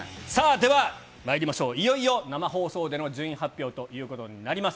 では、まいりましょう、いよいよ生放送での順位発表ということになります。